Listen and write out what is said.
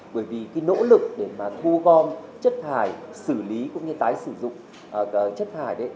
bởi vì cái nỗ lực để mà thu gom chất hải xử lý cũng như tái sử dụng chất hải đấy